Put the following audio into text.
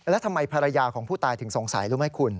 แล้วทำไมภรรยาของผู้ตายถึงสงสัยรู้ไหมคุณ